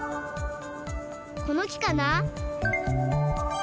この木かな？